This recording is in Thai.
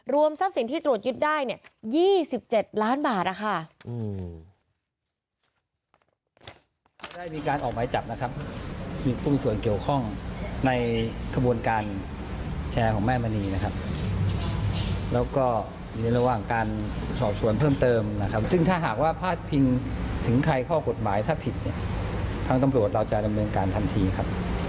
ทรัพย์สินที่ตรวจยึดได้เนี่ย๒๗ล้านบาทนะคะ